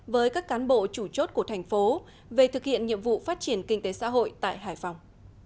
với các cán bộ chủ chốt của thành phố về thực hiện nhiệm vụ phát triển kinh tế xã hội tại hải phòng